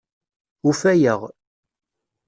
Ufayeɣ.